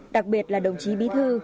đặc biệt là đồng chí bí thư